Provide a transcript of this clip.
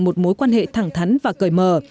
một mối quan hệ thẳng thắn và cởi mở